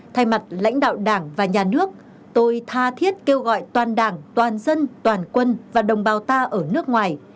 thay mặt lãnh đạo đảng và nhà nước tôi tha thiết kêu gọi toàn đảng toàn dân toàn quân và đồng bào ta ở nước ngoài